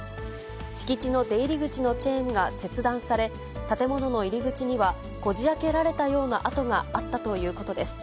敷地の出入り口のチェーンが切断され、建物の入り口にはこじあけられたような跡があったということです。